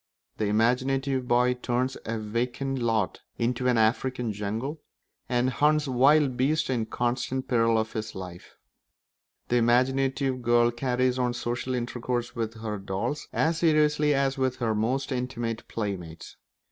The imaginative boy turns a vacant lot into an African jungle, and hunts wild beasts in constant peril of his life; the imaginative girl carries on social intercourse with her dolls as seriously as with her most intimate playmates.